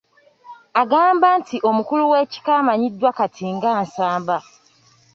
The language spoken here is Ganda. Agamba nti omukulu w’ekika amanyiddwa kati nga Nsamba.